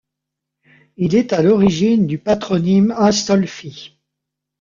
Il est à l'origine du patronyme Astolfi.